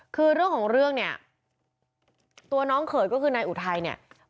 คือเรื่องของเรื่องเนี่ยตัวน้องเขยก็คือนายอุทัยเนี่ย